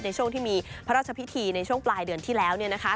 ในช่วงที่มีพระราชพิธีในช่วงปลายเดือนที่แล้ว